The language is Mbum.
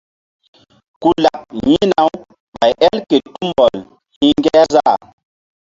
Ku laɓ yi̧hna-u ɓay el ke tumbɔl hi̧ŋgerzah.